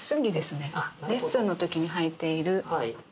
レッスンの時にはいている感じ。